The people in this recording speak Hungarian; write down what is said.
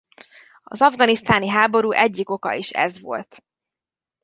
Az afganisztáni háború egyik oka is ez volt.